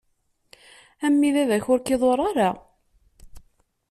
A mmi baba-k ur k-iḍur ara.